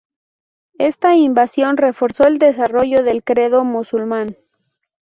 Esta invasión reforzó el desarrolló del credo musulmán.